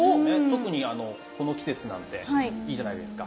特にあのこの季節なんでいいじゃないですか。